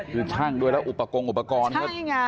คือช่างด้วยแล้วอุปกรณ์อุปกรณ์ก็นี่ไง